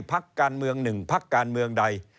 พักการเมือง๑พักการเมืองใด